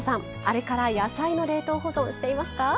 あれから野菜の冷凍保存していますか？